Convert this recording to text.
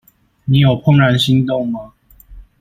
你有怦然心動嗎？